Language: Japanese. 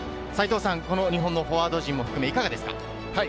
日本のフォワード陣も含めていかがですか？